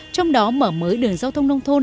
trong đó mở mới đường giao thông nông thôn